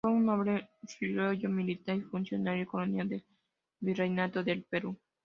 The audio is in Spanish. Fue un noble criollo, militar y funcionario colonial del Virreinato del Perú.